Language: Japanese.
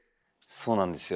そうなんですよ。